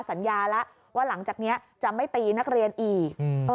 สัญญาแล้วว่าหลังจากนี้จะไม่ตีนักเรียนอีก